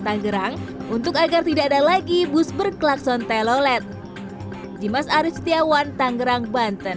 tanggerang untuk agar tidak ada lagi bus berklakson telolet dimas arief setiawan tangerang banten